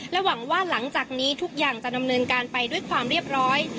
หวังว่าหลังจากนี้ทุกอย่างจะดำเนินการไปด้วยความเรียบร้อย